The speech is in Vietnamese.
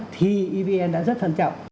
thì evn đã rất thân trọng